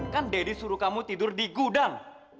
kan deddy suruh kamu tidur di gudang